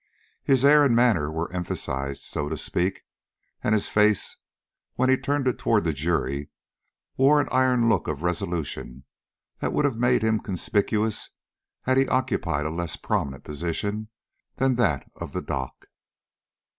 His air and manner were emphasized, so to speak, and his face, when he turned it toward the jury, wore an iron look of resolution that would have made him conspicuous had he occupied a less prominent position than that of the dock.